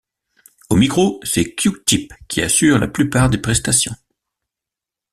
Au micro c'est Q-Tip qui assure la plupart des prestations.